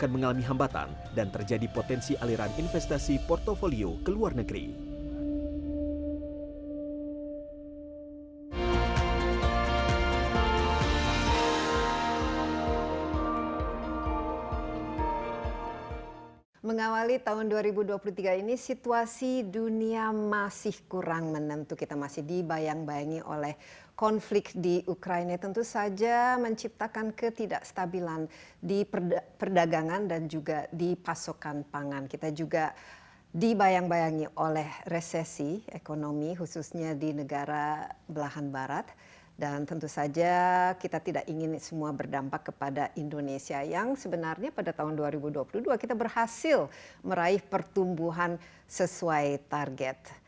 menjadi satu paket yang menimbulkan spillover kepada the rest of the world